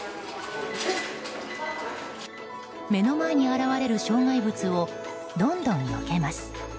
目の前に現れる障害物をどんどんよけます。